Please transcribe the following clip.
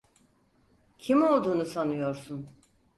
Kim olduğunu sanıyorsun?